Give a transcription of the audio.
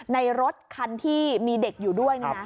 ในรถคันที่มีเด็กอยู่ด้วย